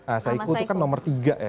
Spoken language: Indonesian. ah saiku itu kan nomor tiga ya